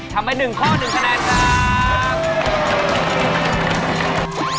ทำไป๑ข้อ๑คะแนนครับ